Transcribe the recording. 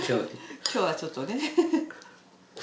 今日はちょっとね。